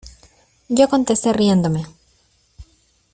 yo contesté riéndome: